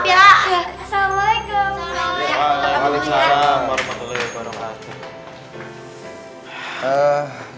waalaikumsalam warahmatullahi wabarakatuh